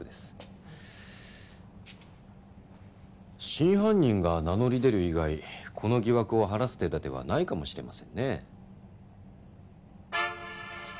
真犯人が名乗り出る以外この疑惑を晴らす手立てはないかもしれませんね。